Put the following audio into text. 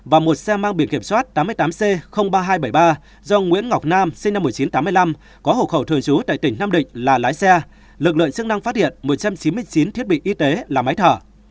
và một xe mang biển kiểm soát tám mươi tám c ba nghìn hai trăm bảy mươi ba do nguyễn ngọc nam sinh năm một nghìn chín trăm tám mươi năm có hộ khẩu thường trú tại tỉnh nam định là lái xe lực lượng chức năng phát hiện một trăm chín mươi chín thiết bị y tế là máy thở